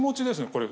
これ。